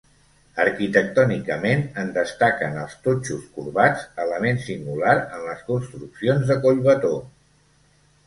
Arquitectònicament, en destaquen els totxos corbats, element singular en les construccions de Collbató.